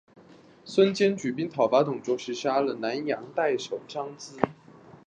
孙坚举兵讨董卓时杀了南阳太守张咨。